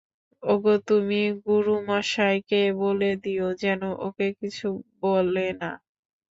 -ওগো, তুমি গুরুমশায়কে বলে দিয়ো যেন ওকে কিছু বলে না।